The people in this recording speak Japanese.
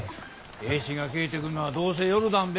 栄一が帰ってくるのはどうせ夜だんべ。